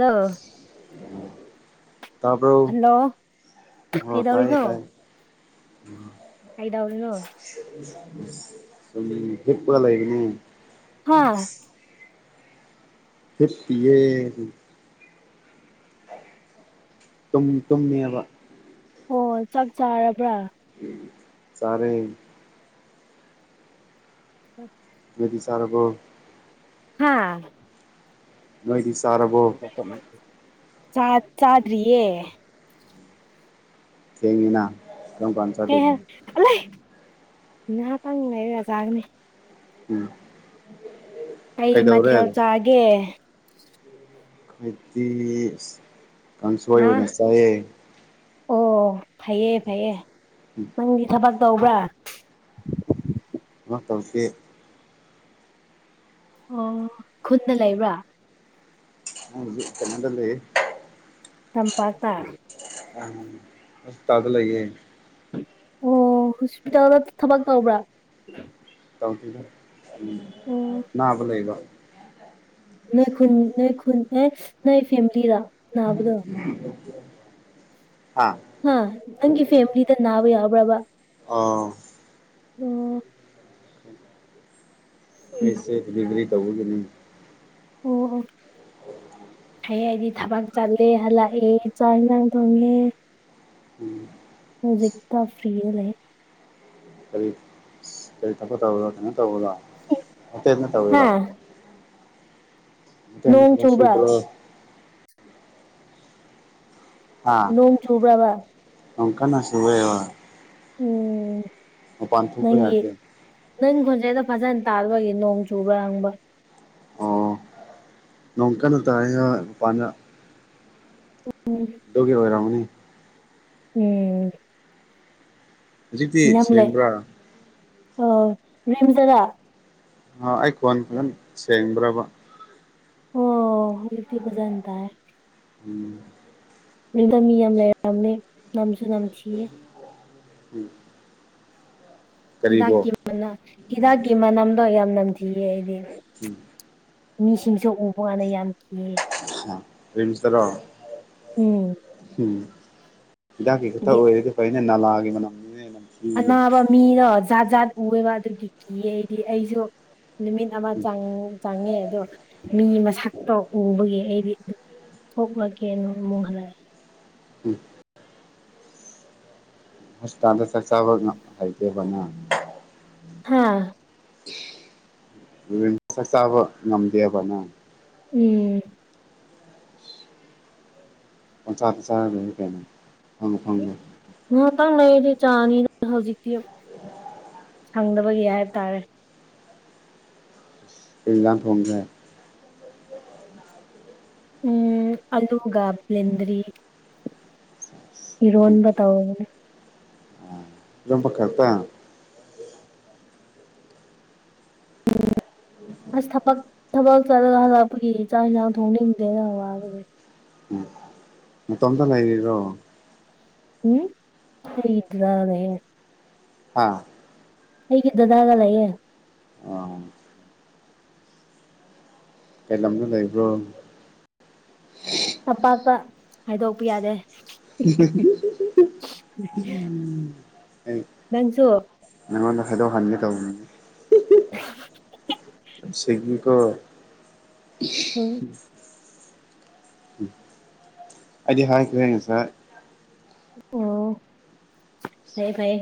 hello ꯇꯥꯕ꯭ꯔꯣ hello ꯑꯥ ꯇꯥꯏꯌꯦ ꯀꯩꯗꯧꯔꯤꯅꯣ ꯇꯥꯏ [inaudible] ꯀꯩꯗꯧꯔꯤꯅꯣ ꯁꯨꯝ ꯍꯤꯞꯔꯒ ꯂꯩꯕꯅꯤꯅꯦ ꯍꯥ ꯍꯤꯞꯄꯤꯌꯦ ꯇꯨꯝ ꯇꯨꯝꯃꯤꯌꯦꯕ ꯑꯣ ꯆꯥꯛ ꯆꯥꯔꯕ꯭ꯔꯥ ꯆꯥꯔꯦ ꯎꯝ ꯅꯣꯏꯗꯤ ꯆꯥꯔꯕꯣ ꯍꯥ ꯅꯣꯏꯗꯤ ꯆꯥꯔ ꯆꯥ ꯆꯥꯗ꯭ꯔꯤꯌꯦ ꯊꯦꯡꯉꯤꯅ ꯀꯔꯝ ꯀꯥꯟ ꯑꯦ ꯆꯥꯗꯣꯏꯕ [unintelligible] ꯂꯩ ꯉꯍꯥꯛꯇꯪ ꯂꯩꯔꯖꯥꯒꯅꯦ ꯆꯥꯅꯤ ꯎꯝ ꯀꯩ ꯀꯩꯗꯧꯔꯦ ꯃꯊꯦꯜ ꯆꯥꯒꯦ ꯑꯏꯗꯤ ꯀꯥꯡꯁꯣꯏ ꯍꯥꯥ ꯑꯣꯏꯅ ꯆꯥꯏꯌꯦ ꯑꯣ ꯐꯩꯌꯦ ꯐꯩꯌꯦ ꯎꯝ ꯅꯪꯗꯤ ꯊꯕꯛ ꯇꯧꯕ꯭ꯔꯥ ꯊꯕꯛ ꯇꯧꯗꯦ ꯑꯣ ꯈꯨꯟꯗ ꯂꯩꯕ꯭ꯔꯥ [unintelligible] ꯗꯤ ꯆꯪꯉꯗ ꯂꯩꯌꯦ ꯇꯝꯄꯥꯛ ꯇ ꯑ ꯑꯩ ꯍꯣꯁꯄꯤꯇꯥꯜꯗ ꯂꯩꯌꯦ ꯑꯣ ꯍꯣꯁꯄꯤꯇꯥꯜꯗ ꯊꯕꯛ ꯇꯧꯕ꯭ꯔꯥ ꯇꯧꯗꯦꯗ ꯑꯣ ꯑꯅꯥꯕ ꯂꯩꯕ ꯅꯣꯏ ꯈꯨꯟ ꯅꯣꯏ ꯈꯨꯟ ꯑꯦ ꯅꯣꯏ ꯐꯦꯃꯤꯂꯤꯔꯣ ꯍꯥꯥ ꯍꯥ ꯅꯪꯒꯤ ꯐꯦꯃꯤꯂꯤꯗ ꯅꯥꯕ ꯌꯥꯎꯕ꯭ꯔꯕ ꯑꯥ ꯑꯣ ꯑꯣ ꯈꯣꯏ ꯏꯆꯦ ꯗꯤꯂꯤꯚꯔꯤ ꯇꯧꯕꯒꯤꯅꯤ ꯑꯣ ꯑꯣ ꯑꯦ ꯑꯩꯗꯤ ꯊꯕꯛ ꯆꯠꯂꯦ ꯍꯜꯂꯛꯑꯦ ꯆꯥꯛ ꯏꯟꯖꯥꯡ ꯊꯣꯡꯉꯦ ꯎꯝ ꯍꯧꯖꯤꯛꯇ ꯐ꯭ꯔꯤꯗ ꯂꯩꯌ ꯀꯔꯤ ꯀꯔꯤ ꯊꯕꯛ ꯇꯧꯔꯒ ꯀꯩꯅꯣ ꯇꯧꯔꯒ ꯍꯣꯇꯦꯜꯗ ꯍꯥ ꯇꯧꯔꯤꯔꯣ ꯏꯇꯩꯅ ꯅꯣꯡ ꯊꯕꯛ ꯆꯨꯕ꯭ꯔꯥ ꯁꯨꯕ꯭ꯔꯣ ꯍꯥ ꯅꯣꯡ ꯆꯨꯕ꯭ꯔꯕ ꯅꯣꯡ ꯀꯟꯅ ꯆꯨꯏꯌꯦꯕ ꯎꯝ ꯊꯣꯛꯄ ꯅꯪꯒꯤ ꯌꯥꯗꯦ ꯅꯪ ꯈꯣꯟꯖꯦꯜꯗꯣ ꯐꯖꯟꯅ ꯇꯥꯕꯒꯤ ꯅꯣꯡ ꯆꯨꯕ ꯍꯪꯕ ꯑꯣ ꯅꯣꯡ ꯀꯟꯅ ꯇꯥꯏ ꯍꯣꯏ ꯃꯄꯥꯟꯗ ꯎꯝ ꯑꯗꯨꯒꯤ ꯑꯣꯏꯔꯝꯅꯤ ꯎꯝ ꯍꯧꯖꯤꯛꯇꯤ ꯁꯦꯡꯕ꯭ꯔꯥ ꯑꯣ ꯔꯤꯝꯁꯇꯔꯥ ꯑ ꯑꯩ ꯈꯣꯟ ꯐꯖꯟ ꯁꯦꯡꯕ꯭ꯔꯕ ꯑꯣ ꯍꯧꯖꯤꯛꯇꯤ ꯐꯖꯟ ꯇꯥꯏ ꯎꯝ ꯔꯦꯟꯗ ꯃꯤ ꯌꯥꯝ ꯂꯩꯔꯕꯅꯦ ꯅꯝꯁꯨ ꯅꯝꯊꯤꯌꯦ ꯎꯝ ꯀꯔꯤꯕꯣ ꯍꯤꯗꯥꯛꯀꯤ ꯃꯅꯥ ꯍꯤꯗꯥꯛꯀꯤ ꯃꯅꯝꯗꯣ ꯌꯥꯝ ꯅꯝꯊꯤꯌꯦ ꯑꯩꯗꯤ ꯎꯝ ꯃꯤꯁꯤꯡꯁꯨ ꯎꯕ ꯀꯥꯟꯗ ꯌꯥꯝ ꯀꯤꯌꯦ ꯔꯤꯝꯁꯇꯔꯣ ꯎꯝ ꯎꯝ ꯍꯤꯗꯥꯛꯀꯤ ꯈꯛꯇ ꯍꯥꯏꯗꯤ ꯑꯣꯏꯔꯗꯤ ꯐꯩꯅꯦ ꯅꯥꯂꯥꯒꯤ ꯃꯅꯝꯗꯨꯅ ꯍꯦꯟꯅ ꯑꯅꯥꯕ ꯃꯤꯗꯣ ꯖꯥꯠ ꯖꯥꯠ ꯎꯔꯦꯕ ꯑꯗꯨꯒꯤ ꯀꯤꯌꯦ ꯑꯩꯗꯤ ꯑꯩꯁꯨ ꯅꯨꯃꯤꯠ ꯑꯃ ꯎꯝ ꯆꯪ ꯆꯪꯉꯦ ꯑꯗꯣ ꯃꯤ ꯃꯁꯛꯇꯣ ꯎꯕꯒꯤ ꯑꯩꯗꯤ ꯊꯣꯛꯂꯛꯀꯦꯅ ꯑꯃꯨꯛ ꯍꯦꯜꯂꯦ ꯎꯝ ꯍꯣꯁꯄꯤꯇꯥꯜꯗ ꯆꯥꯛ ꯆꯥꯕ ꯉꯥ ꯍꯩꯇꯦꯕ ꯅꯪ ꯍꯥꯥ ꯔꯤꯝꯁꯇꯥ ꯆꯥꯕ ꯉꯝꯗꯦꯕ ꯅꯪ ꯎꯝ ꯄꯟꯆꯥ ꯆꯥꯗ꯭ꯔꯗꯤ ꯀꯩꯅꯣ ꯑꯐꯪ ꯑꯐꯪꯕ ꯉꯍꯥꯛꯇꯪ ꯂꯩꯔꯗꯤ ꯆꯥꯅꯤ ꯍꯧꯖꯤꯛꯇꯤ [inaudible] ꯈꯪꯗꯕꯒꯤ ꯍꯥꯏꯕꯇꯥꯔꯦ ꯀꯩ ꯍꯦꯟꯖꯥꯡ ꯊꯣꯡꯈꯔꯦ ꯎꯝ ꯑꯜꯂꯨꯒ ꯕ꯭ꯂꯦꯟꯗꯔꯤ ꯏꯔꯣꯟꯕ ꯇꯧꯕꯅꯦ ꯏꯔꯣꯟꯕ ꯈꯛꯇꯪ ꯑꯁ ꯊꯕꯛ ꯊꯕꯛ ꯆꯠꯂꯒ ꯍꯂꯛꯄꯒꯤ ꯆꯥꯡ ꯍꯦꯟꯖꯥꯡ ꯊꯣꯡꯅꯤꯡꯗꯦꯗ ꯋꯥꯕꯒꯤ ꯅꯇꯣꯝꯇ ꯂꯩꯔꯤꯔꯣ ꯎꯝ ꯈꯣꯏ ꯗꯥꯗꯥꯒ ꯂꯩꯌꯦ ꯍꯥ ꯑꯩꯒꯤ ꯗꯥꯗꯥ ꯒ ꯂꯩꯌꯦ ꯑꯥ ꯀꯩ ꯂꯝꯗ ꯂꯩꯕ꯭ꯔꯣ ꯇꯝꯄꯥꯛꯇ ꯍꯥꯏꯗꯣꯛꯄ ꯌꯥꯗꯦ [unintelligible] ꯅꯪꯖꯨ ꯅꯪꯉꯣꯟꯗ ꯍꯥꯏꯗꯣꯛꯍꯟꯒꯦ ꯇꯧꯕꯅꯤꯗ [unintelligible] ꯁꯤꯡꯉꯤꯀꯣ ꯎꯝ ꯎꯝ ꯑꯩꯗꯤ ꯍꯥꯏꯈ꯭ꯔꯦ ꯉꯁꯥꯏ ꯑꯣ ꯐꯩꯌꯦ ꯐꯩꯌꯦ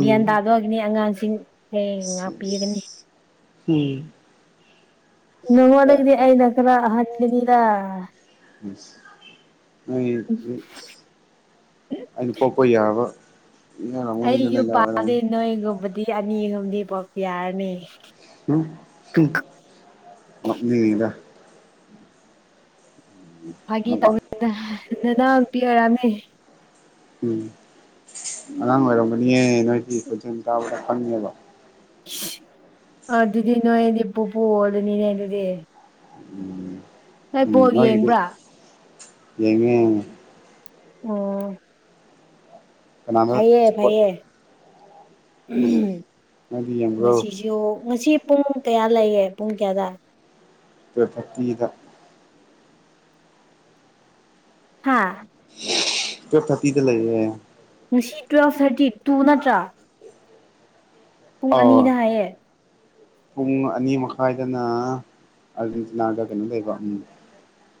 ꯒ꯭ꯌꯥꯟ ꯇꯥꯗꯣꯒꯤꯅꯦ ꯑꯉꯥꯡꯁꯤꯡ ꯑꯦ ꯉꯥꯛꯄꯤꯑꯒꯅꯤ ꯎꯝ ꯅꯉꯣꯟꯗꯩꯗꯤ ꯑꯩꯅ ꯈꯔ ꯑꯍꯟꯒꯅꯤꯗ ꯏꯁ ꯅꯪꯒꯤ ꯏꯁ ꯑꯩꯅ ꯄꯣꯛꯄ ꯌꯥꯕ ꯑꯩ ꯌꯥꯔꯝꯒꯅꯤꯗꯥ ꯌꯨꯝ ꯅꯣꯏꯗꯥꯋꯥꯏꯔꯝ ꯄꯥꯜꯂꯦ ꯅꯣꯏꯒꯨꯝꯕꯗꯤ ꯑꯅꯤ ꯑꯍꯨꯝꯗꯤ ꯄꯣꯛꯄ ꯌꯥꯔꯅꯤ ꯍꯨꯝ ꯍꯨꯝ ꯅꯣꯛꯅꯤꯡꯉꯤꯗ ꯐꯥꯒꯤ ꯇꯧꯅꯤꯗ ꯅꯅꯥꯎꯄꯤ ꯑꯣꯏꯔꯝꯅꯤ ꯎꯝ ꯑꯉꯥꯡ ꯑꯣꯏꯔꯝꯒꯅꯤꯌꯦ ꯅꯣꯏꯒꯤ ꯈꯣꯟꯖꯦꯜ ꯇꯥꯕꯗ ꯈꯪꯉꯦꯕ ꯑꯗꯨꯗꯤ ꯅꯣꯏꯅꯤ ꯄꯨꯨꯄꯨ ꯑꯣꯏꯔꯅꯤꯅꯦ ꯑꯗꯨꯗꯤ ꯅꯣꯏ ꯎꯝ ꯕꯣꯜ ꯅꯣꯏꯒꯤꯗꯤ ꯌꯦꯡꯕ꯭ꯔꯥ ꯌꯦꯡꯉꯦ ꯌꯦꯡꯉꯦ ꯑꯣ ꯀꯅꯥꯅ ꯐꯩꯌꯦ ꯁꯞꯄꯣꯔꯠ ꯐꯩꯌꯦ ꯅꯣꯏꯗꯤ ꯌꯦꯡꯕ꯭ꯔꯣ ꯉꯁꯤꯁꯨ ꯉꯁꯤ ꯄꯨꯡ ꯀꯌꯥ ꯂꯩꯌꯦ ꯄꯨꯡ ꯀꯌꯥꯗ ꯇꯨꯋꯦꯞ ꯊ꯭ꯔꯥꯇꯤꯗ ꯍꯥꯥ ꯇꯨꯋꯦꯞ ꯊꯥꯔꯇꯤꯗ ꯂꯩꯌꯦ ꯉꯁꯤ ꯇꯨꯋꯦꯜꯐ ꯊꯥꯔꯇꯤ ꯇꯨ ꯅꯠꯇ꯭ꯔꯥ ꯄꯨꯡ ꯑꯥꯎ ꯑꯅꯤꯅ ꯍꯥꯏꯌꯦ ꯄꯨꯡ ꯑꯅꯤ ꯃꯈꯥꯏꯗꯅ ꯑꯥꯔꯖꯦꯟꯇꯤꯅꯥꯒ ꯀꯩꯅꯣ ꯂꯩꯕ ꯎꯝ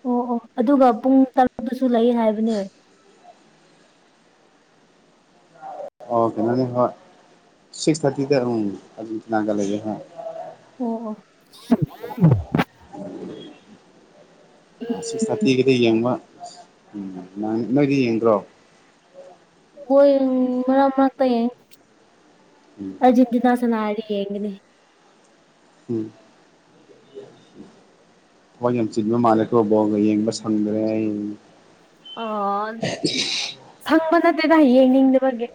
ꯑꯣ ꯑꯣ ꯑꯗꯨꯒ ꯄꯨꯡ ꯇꯔꯨꯛꯇꯁꯨ ꯂꯩ ꯍꯥꯏꯕꯅꯦ ꯑꯣ ꯀꯩꯅꯣꯅꯦ ꯍꯣꯏ ꯁꯤꯛꯁ ꯊꯥꯔꯇꯤꯗ ꯎꯝ ꯑꯔꯖꯦꯟꯇꯤꯅꯥꯒ ꯂꯩꯌꯦ ꯍꯣꯏ ꯑꯣ ꯑꯣ [inaudible] ꯑꯥ ꯁꯤꯛꯁ ꯎꯝ ꯊꯥꯔꯇꯤꯒꯤꯗꯤ ꯌꯦꯡꯕ ꯎꯝ ꯅꯥꯏꯅꯤ ꯅꯣꯏꯗꯤ ꯌꯦꯡꯗ꯭ꯔꯣ ꯍꯣꯏ ꯃꯔꯛ ꯃꯔꯛꯇ ꯌꯦꯡꯉꯤ ꯎꯝ ꯑꯔꯖꯦꯟꯇꯤꯅꯥ ꯁꯅꯥꯔꯗꯤ ꯌꯦꯡꯒꯅꯤ ꯎꯝ ꯊꯕꯛ ꯌꯥꯝ ꯆꯤꯟꯕ ꯃꯥꯜꯂꯦꯀꯣ ꯕꯣꯜꯒ ꯌꯦꯡꯕ ꯁꯪꯗ꯭ꯔꯦ ꯍꯥꯏꯅꯤ ꯑꯣ ꯁꯪꯕ ꯅꯠꯇꯦꯗ ꯌꯦꯡꯅꯤꯡꯗꯕꯒꯤ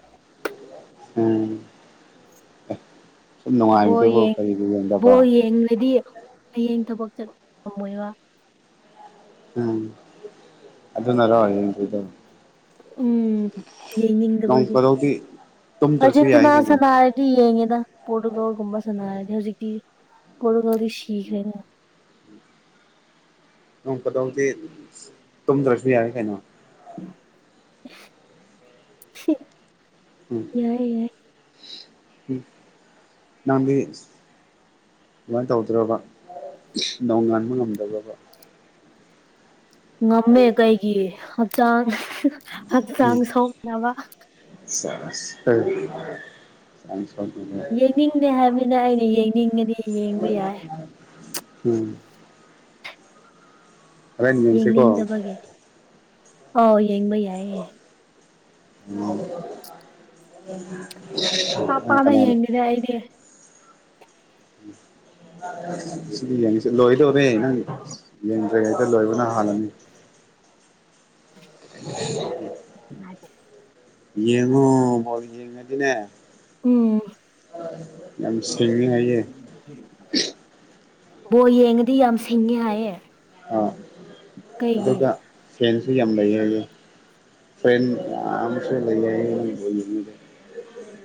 ꯑꯥꯡ ꯕꯣꯜ ꯅꯨꯡꯉꯥꯏꯕꯗꯕꯨ ꯌꯦꯡ ꯀꯔꯤꯒꯤ ꯌꯦꯡꯗꯕ ꯕꯣꯜ ꯌꯦꯡꯂꯗꯤ ꯍꯌꯦꯡ ꯊꯕꯛ ꯆꯠ ꯉꯝꯃꯣꯏꯕ ꯎꯝ ꯑꯗꯨꯅꯔꯣ ꯌꯦꯡꯗ꯭ꯔꯤꯗꯣ ꯎꯝ ꯅꯣꯡ ꯌꯦꯅꯤꯡꯗꯕꯒꯤ ꯐꯥꯗꯣꯛꯇꯤ ꯇꯨꯝꯗ꯭ꯔꯁꯨ ꯌꯥꯏ ꯑꯔꯖꯦꯟꯇꯤꯅꯥ ꯀꯩꯅꯣ ꯁꯥꯟꯅ ꯗꯤ ꯌꯦꯡꯉꯦꯗ ꯄꯣꯔꯇꯨꯒꯜꯒꯨꯝꯕ ꯁꯥꯟꯅꯔꯗꯤ ꯍꯧꯖꯤꯛꯇꯤ ꯄꯣꯔꯇꯨꯒꯥꯜꯗꯤ ꯁꯤꯈ꯭ꯔꯦꯅ ꯅꯣꯡ ꯐꯥꯗꯣꯛꯇꯤ ꯇꯨꯝꯗ꯭ꯔꯁꯨ ꯌꯥꯏ ꯀꯩꯅꯣ [unintelligible] ꯌꯥꯏ ꯌꯥꯏ [unintelligible] ꯅꯪꯗꯤ ꯑꯗꯨꯃꯥꯏ ꯇꯧꯗ꯭ꯔꯣꯕ ꯅꯣꯡ ꯉꯥꯟꯕ ꯉꯝꯗꯕ꯭ꯔꯕ ꯉꯝꯃꯦ ꯀꯩꯒꯤ ꯍꯛꯆꯥꯡ ꯍꯛꯆꯥꯡ ꯁꯣꯛꯅꯕ ꯆꯥꯁ [unintelligible] ꯅꯤꯡꯗꯦ ꯍꯥꯏꯕꯅꯤꯅ ꯑꯩꯅ ꯌꯦꯡꯅꯤꯡꯉꯗꯤ ꯌꯦꯡꯕ ꯌꯥꯏ ꯎꯝ ꯍꯣꯔꯦꯟ ꯌꯦꯡꯁꯤꯀꯣ ꯌꯦꯡꯅꯤꯡꯗꯕꯒꯤ ꯑꯣ ꯌꯦꯡꯕ ꯌꯥꯏꯌꯦ [unintelligible] [inaudible] [inaudible] ꯅꯪ ꯄꯥꯛꯄꯥꯛꯅ ꯀꯅꯥꯅꯣ ꯌꯦꯡꯗꯦꯗ ꯑꯩꯗꯤ [unintelligible] ꯂꯣꯏꯗꯧꯔꯦ ꯅꯪ ꯌꯦꯡꯗ꯭ꯔꯤꯉꯩꯗ ꯂꯣꯏꯕꯅ ꯍꯥꯜꯂꯅꯤ [inaudible] ꯌꯦꯡꯉꯣ ꯕꯣꯜ ꯌꯦꯡꯉꯗꯤꯅꯦ ꯎꯝ ꯌꯥꯝ ꯁꯤꯡꯉꯦ ꯍꯥꯏꯌꯦ ꯕꯣꯜ ꯌꯦꯡꯉꯗꯤ ꯌꯥꯝ ꯁꯤꯡꯉꯦ ꯍꯥꯏꯌꯦ ꯑꯥ ꯀꯩꯒꯤ ꯑꯗꯨꯒ ꯐ꯭ꯔꯦꯟꯁꯨ ꯌꯥꯝ ꯂꯩ ꯍꯥꯏꯌꯦ ꯐ꯭ꯔꯦꯟ ꯌꯥꯝꯁꯨ ꯂꯩ [unintelligible]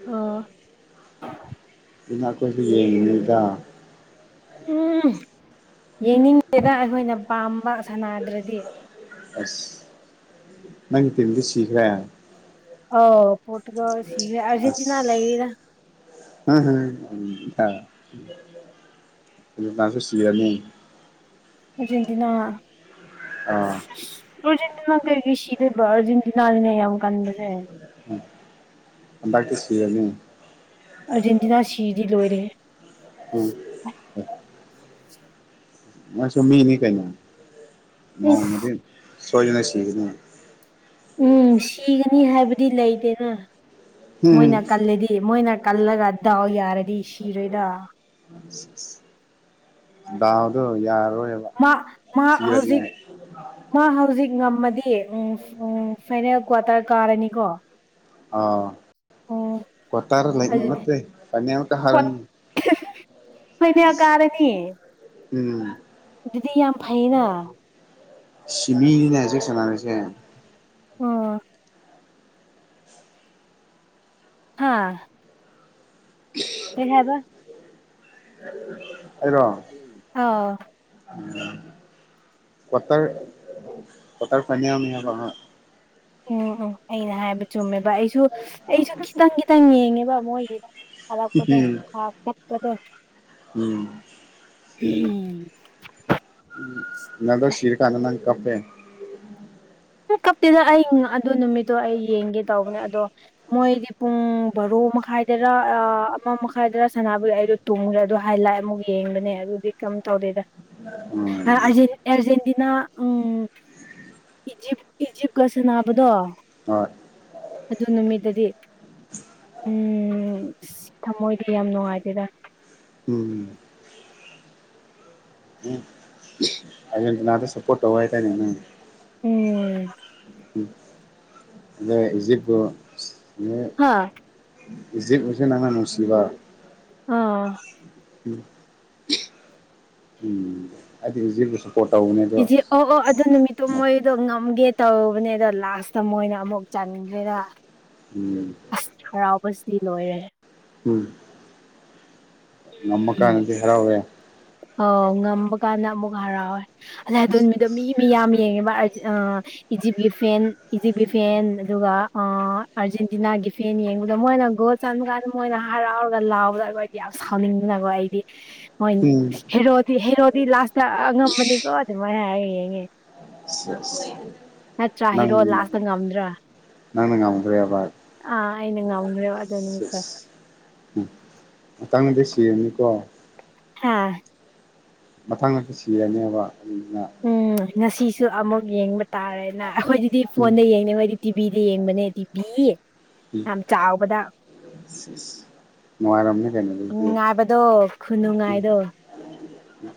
ꯑꯣ ꯑꯗꯨꯅ ꯑꯩꯈꯣꯏꯁꯨ [unintelligible] [unintelligible] ꯌꯦꯡꯅꯤꯡꯇꯦꯗ ꯑꯩꯈꯣꯏꯅ ꯄꯥꯝꯕ ꯁꯥꯟꯅꯗ꯭ꯔꯗꯤ ꯑꯁ ꯅꯪ ꯇꯤꯝꯗꯤ ꯁꯤꯈ꯭ꯔꯦ ꯑꯥꯎ ꯄꯣꯔꯇꯨꯒꯜ ꯁꯤꯒ꯭ꯔꯦ ꯑꯔꯖꯦꯟꯇꯤꯅꯥ ꯑꯁ ꯂꯩꯔꯤꯗ [unintelligible] ꯁꯤꯔꯅꯤ ꯑꯔꯖꯦꯟꯇꯤꯅꯥ ꯑꯥ ꯑꯔꯖꯦꯟꯇꯤꯅꯥ ꯀꯩꯒꯤ ꯁꯤꯗꯣꯢꯕ ꯑꯔꯖꯦꯟꯇꯤꯅꯥꯅꯤꯅꯦ ꯌꯥꯝ ꯀꯟꯕꯁꯦ ꯍꯟꯗꯛꯇꯤ ꯁꯤꯔꯅꯤ ꯑꯔꯖꯦꯟꯇꯤꯅꯥ ꯁꯤꯗꯤ ꯂꯣꯏꯔꯦꯍꯦ ꯎꯝ ꯃꯥꯁꯨ ꯃꯤꯅꯤ ꯀꯩꯅꯣ ꯏꯁ ꯅꯣꯡꯃꯗꯤ ꯁꯣꯏꯗꯅ ꯁꯤꯒꯅꯤ ꯎꯝ ꯁꯤꯒꯅꯤ ꯍꯥꯏꯕꯗꯤ ꯂꯩꯇꯦꯅ ꯎꯝ ꯃꯣꯏꯅ ꯀꯜꯂꯗꯤ ꯃꯣꯏꯅ ꯀꯜꯂꯒ ꯗꯥꯎ ꯌꯥꯔꯗꯤ ꯁꯤꯔꯣꯏꯗ [unintelligible] ꯗꯥꯎꯗꯣ ꯌꯥꯔꯔꯣꯢ ꯃꯥ ꯃꯥ ꯍꯧꯖꯤꯛ ꯃꯥ ꯍꯧꯖꯤꯛ ꯉꯝꯃꯗꯤ ꯎꯝ ꯎꯝ ꯐꯥꯏꯅꯦꯜ ꯀ꯭ꯋꯥꯇꯔ ꯀꯥꯔꯅꯤꯀꯣ ꯑꯥ ꯑꯣ ꯀ꯭ꯋꯥꯇꯔ ꯂꯩ ꯑꯗꯨꯗꯤ ꯅꯠꯇꯦ ꯐꯥꯢꯅꯦꯜ ꯀ꯭ꯋꯥ ꯀꯥꯔꯅꯤ [unintelligible] ꯐꯥꯏꯅꯦꯜ ꯀꯥꯔꯅꯤ ꯎꯝ ꯑꯗꯨꯗꯤ ꯌꯥꯝ ꯐꯩꯅ ꯁꯤꯃꯤꯅꯤꯅ [unintelligible] [unintelligible] ꯑꯣ ꯍꯥꯥ ꯀꯩ ꯍꯥꯏꯕ ꯑꯩꯔꯣ ꯑꯧ [unintelligible] ꯀ꯭ꯋꯥꯇꯔ ꯀ꯭ꯋꯥꯇꯔ ꯐꯥꯢꯅꯦꯜꯅꯦꯍꯕꯥ ꯑꯥ [unintelligible] ꯑꯩꯅ ꯍꯥꯏꯕ ꯆꯨꯝꯃꯦꯕꯥ ꯑꯩꯁꯨ ꯁ ꯑꯩꯁꯨ ꯈꯤꯇꯪ ꯈꯤꯇꯪ ꯌꯦꯡꯉꯦꯕꯥ ꯃꯣꯏꯒꯤꯗꯣ ꯊꯥꯔꯛꯄꯗꯣ ꯁ꯭ꯇꯥꯏꯜ ꯇꯞꯄꯗꯣ ꯎꯝ [unintelligible] ꯎꯝ ꯎꯝ ꯔꯣꯅꯥꯜꯗꯣ ꯁꯤꯔ ꯀꯥꯟꯗ ꯅꯪ ꯀꯞꯄꯦ ꯍꯝ ꯀꯞꯇꯦꯗꯥ ꯑꯩ ꯉꯥꯍꯥꯟꯗꯣ ꯅꯨꯃꯤꯠꯇꯣ ꯑꯩ ꯌꯦꯡꯒꯦ ꯇꯧꯕꯅꯦ ꯑꯗꯣ ꯃꯣꯏꯗꯤ ꯄꯨꯡ ꯕꯥꯔꯣ ꯃꯈꯥꯏꯗꯔꯥ ꯑꯥ ꯑꯃ ꯃꯈꯥꯏꯗꯔꯥ ꯁꯅꯥꯅꯕꯩ ꯑꯩꯗꯣ ꯇꯨꯝꯈ꯭ꯔꯦ ꯑꯗꯨ ꯍꯥꯏꯂꯥꯏꯠ ꯑꯃꯨꯛ ꯌꯦꯡꯕꯅꯦ ꯑꯗꯨꯗꯤ ꯀꯝ ꯇꯧꯗꯦꯗ ꯎꯝ ꯑꯥ ꯑꯥꯔꯖꯦꯟ ꯑꯦꯔꯖꯦꯟꯇꯤꯅꯥ ꯎꯝ ꯏꯖꯤꯞ ꯏꯖꯤꯞꯀ ꯁꯥꯟꯅꯕꯗꯣ ꯍꯣꯏꯠ ꯑꯗꯨ ꯅꯨꯃꯤꯠꯇꯗꯤ ꯎꯝ ꯁ ꯊꯃꯣꯏꯗꯤ ꯌꯥꯝ ꯅꯨꯡꯉꯥꯏꯇꯦꯗꯥ ꯎꯝ [unintelligible] ꯑꯔꯖꯦꯟꯇꯤꯅꯥꯗ ꯁꯄꯣꯔꯠ ꯇꯧꯋꯦ ꯍꯥꯏꯗꯥꯢꯅꯦ ꯅꯪ ꯎꯝ ꯎꯝ ꯅꯣꯢ ꯏꯖꯤꯞꯕꯨ [unintelligible] ꯅꯣꯢ ꯍꯥꯥ ꯏꯖꯤꯞ ꯅꯁꯨ ꯅꯪꯅ ꯅꯨꯡꯁꯤꯕ ꯑꯣ ꯎꯝ ꯑꯩꯗꯤ ꯏꯖꯤꯞꯕꯨ ꯁꯄꯣꯔꯠ ꯇꯧꯕꯅꯦ ꯑꯗꯣ ꯏꯖꯤꯞ ꯑꯣ ꯑꯣ ꯑꯗꯨ ꯅꯨꯃꯤꯠꯇꯨ ꯃꯣꯏꯗꯣ ꯉꯝꯒꯦ ꯇꯧꯕꯅꯦꯗꯥ ꯂꯥꯁꯇ ꯃꯣꯏꯅ ꯑꯃꯨꯛ ꯆꯟꯈ꯭ꯔꯦꯔꯥ ꯎꯝ ꯑꯁ ꯍꯔꯥꯎꯕꯁ ꯗꯤ ꯂꯣꯏꯍꯔꯦ ꯉꯝꯃ ꯎꯝ ꯀꯥꯟꯗꯗꯤ ꯍꯔꯥꯎꯔꯦ ꯑꯧ ꯉꯝꯕ ꯀꯥꯟꯗ ꯑꯃꯨꯛ ꯍꯔꯥꯎꯋꯦ ꯑꯗꯩ ꯑꯗꯨ ꯅꯨꯃꯤꯗꯣ ꯃꯤ ꯃꯌꯥꯝ ꯌꯦꯡꯉꯦꯕ [unintelligible] ꯑꯥ ꯏꯖꯤꯞꯀꯤ ꯐꯦꯟ ꯏꯖꯤꯞꯀꯤ ꯐꯦꯟ ꯑꯗꯨꯒꯥ ꯑꯥ ꯑꯥꯔꯖꯦꯟꯇꯤꯅꯥꯒꯤ ꯐꯦꯟ ꯌꯦꯡꯕꯗꯣ ꯃꯣꯏꯅ ꯒꯣꯜ ꯆꯟꯕ ꯀꯥꯟꯗ ꯃꯣꯏꯅ ꯍꯔꯥꯎꯔꯒ ꯂꯥꯎꯕꯗ ꯑꯈꯣꯏꯗꯤ ꯌꯥꯝ ꯁꯥꯎꯅꯤꯡꯗꯅꯀꯣ ꯑꯩꯗꯤ ꯃꯣꯏ ꯎꯝ ꯍꯦꯔꯣꯗꯤ ꯍꯦꯔꯣꯗꯤ ꯂꯥꯁꯇ ꯑꯉꯝꯕꯅꯤꯀꯣ ꯑꯗꯨꯃꯥꯏ ꯍꯥꯏꯔ ꯌꯦꯡꯉꯦ ꯁꯦꯁ [unintelligible] ꯅꯠꯇ꯭ꯔꯥ ꯅꯪ ꯍꯦꯔꯣ ꯂꯥꯁꯇ ꯉꯝꯗ꯭ꯔꯥ ꯅꯪꯅ ꯉꯝꯒ꯭ꯔꯦꯕꯥ ꯑꯥ ꯑꯩꯅ ꯉꯝꯒ꯭ꯔꯦꯕ ꯑꯗꯨ ꯅꯨꯃꯤꯠꯇꯨ ꯎꯝ ꯃꯊꯪꯗꯤ ꯁꯤꯔꯅꯤꯀꯣ ꯍꯥꯥ ꯃꯊꯪꯗꯗꯤ ꯁꯤꯔꯅꯤ ꯍꯥꯏꯕ ꯑꯔꯖꯦꯟꯇꯤꯅꯥ ꯎꯝ [unintelligible] ꯉꯁꯤꯁꯨ ꯑꯃꯨꯛ ꯌꯦꯡꯕ ꯇꯥꯔꯦꯅꯥ ꯑꯩꯈꯣꯏꯗꯗꯤ ꯐꯣꯟꯗ ꯌꯦꯡꯗꯦꯕ ꯑꯩꯗꯤ ꯇꯤꯚꯤꯗ ꯌꯦꯡꯕꯅꯦ ꯇꯤꯚꯤ ꯌꯥꯝ ꯆꯥꯎꯕꯗ ꯅꯨꯡꯉꯥꯏꯔꯝꯅꯤ ꯀꯩꯅꯣ ꯎꯝ ꯑꯗꯨꯗꯤ ꯉꯥꯕꯗꯣ ꯈꯨꯅꯨꯡꯉꯥꯏꯗꯣ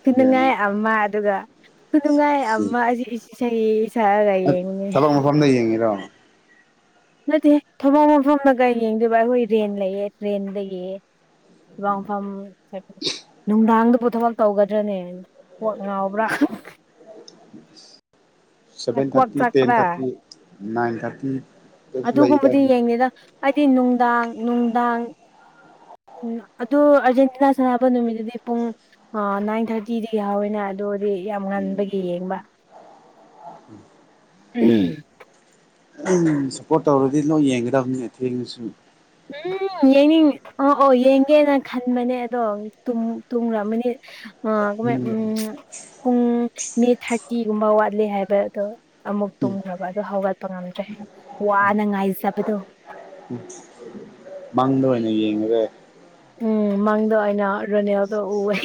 ꯈꯨꯅꯨꯡꯉꯥꯏ ꯑꯃ ꯑꯗꯨꯒ ꯈꯨꯅꯨꯡꯉꯥꯏ ꯑꯃ ꯑꯩꯁꯨ ꯏꯁꯩ ꯁꯛꯑꯒ ꯌꯦꯡꯉꯨꯅꯦ ꯊꯕꯛ ꯃꯐꯝꯗ ꯌꯦꯡꯉꯤꯔꯣ ꯅꯠꯇꯦꯍꯦ ꯊꯕꯛ ꯃꯐꯝꯗꯒ ꯌꯦꯡꯗꯦꯕ ꯑꯈꯣꯏ ꯔꯦꯟ ꯂꯩꯌꯦ ꯔꯦꯟꯗꯒꯤ ꯊꯕꯛ ꯃꯐꯝ ꯅꯨꯡꯗꯥꯡꯗꯕꯨ ꯊꯕꯛ ꯇꯧꯒꯗ꯭ꯔꯅꯦ ꯄꯣꯠ ꯉꯥꯎꯕ꯭ꯔꯥ ꯁꯚꯦꯟ ꯀꯣꯛ ꯊꯥꯔꯇꯤ ꯇꯦꯟ ꯆꯥꯛꯄ꯭ꯔꯥ ꯊꯥꯔꯇꯤ ꯅꯥꯏꯟ ꯊꯥꯔꯇꯤ ꯗꯁꯨ ꯑꯗꯨꯒꯨꯝꯕꯗꯤ ꯂꯩꯗꯥꯏꯅꯦ ꯌꯦꯡꯗꯦꯗ ꯑꯩꯗꯤ ꯅꯨꯡꯗꯥꯡ ꯅꯨꯡꯗꯥꯡ ꯎꯝ ꯑꯗꯨ ꯑꯥꯔꯖꯦꯟꯇꯤꯅꯥ ꯁꯥꯟꯅꯥꯕ ꯅꯨꯃꯤꯠꯇꯨꯗꯤ ꯄꯨꯡ ꯑ ꯅꯥꯏꯟ ꯊꯥꯔꯇꯤꯗꯒꯤ ꯌꯥꯎꯋꯦꯅꯦ ꯑꯗꯨ ꯑꯣꯗꯤ ꯌꯥꯝ ꯉꯟꯕꯒꯤ ꯌꯦꯡꯕ ꯎꯝ ꯎꯝ ꯁꯞꯄꯣꯔꯠ ꯇꯧꯔꯗꯤ ꯂꯣꯏ ꯌꯦꯡꯒꯗꯕꯅꯦ ꯊꯦꯡꯂꯁꯨ ꯎꯝ ꯌꯦꯡꯅꯤꯡ ꯑꯣ ꯑꯣ ꯌꯦꯡꯒꯦꯅ ꯈꯟꯕꯅꯦ ꯑꯗꯣ ꯇꯨꯝ ꯇꯨꯝꯔꯝꯃꯅꯤ ꯑ ꯀꯃꯥꯏ ꯎꯝ ꯄꯨꯡ ꯃꯤ ꯊꯥꯔꯇꯤꯒꯨꯝꯕ ꯋꯥꯠꯂꯤ ꯍꯥꯏꯕ ꯑꯗꯣ ꯑꯃꯨꯛ ꯇꯨꯝꯈ꯭ꯔꯕ ꯑꯗꯨ ꯍꯧꯒꯠꯄ ꯉꯝꯗ꯭ꯔꯦ ꯋꯥꯅ ꯉꯥꯏꯖꯕꯗꯣ ꯃꯪꯗ ꯑꯣꯏꯅ ꯌꯦꯡꯉꯒꯦ ꯎꯝ ꯃꯪꯗ ꯑꯣꯏꯅ ꯔꯣꯅꯦꯜꯗꯣ ꯎꯋꯦ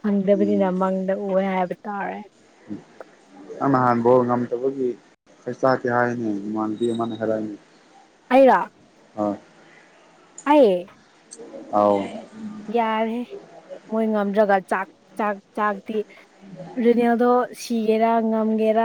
ꯐꯪꯗꯕꯅꯤꯅ ꯃꯪꯗ ꯎꯋꯦ ꯍꯥꯏꯕ ꯇꯥꯔꯦ ꯅꯪ ꯅꯍꯥꯟ ꯕꯣꯜ ꯉꯝꯗꯕꯒꯤ ꯆꯩ ꯆꯥꯛꯀꯦ ꯍꯥꯏꯅꯤ ꯃꯥꯟꯕꯤ ꯑꯃꯅ ꯍꯥꯏꯔꯝꯅꯤ ꯑꯩꯔꯣ ꯍꯣꯏ ꯑꯩ ꯑꯧ ꯌꯥꯔꯦꯍꯦ ꯃꯣꯏ ꯉꯝꯗ꯭ꯔꯒ ꯆꯥꯛ ꯆꯥꯛ ꯆꯥꯛꯇꯤ ꯔꯦꯅꯦꯜꯗꯣ ꯁꯤꯒꯦꯔꯥ ꯉꯝꯒꯦꯔꯥ